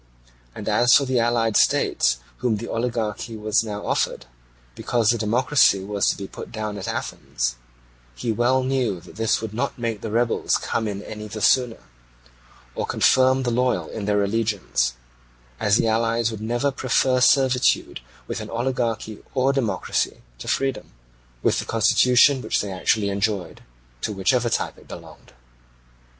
And as for the allied states to whom oligarchy was now offered, because the democracy was to be put down at Athens, he well knew that this would not make the rebels come in any the sooner, or confirm the loyal in their allegiance; as the allies would never prefer servitude with an oligarchy or democracy to freedom with the constitution which they actually enjoyed, to whichever type it belonged.